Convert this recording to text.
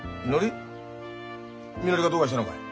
みのりがどうかしたのかい？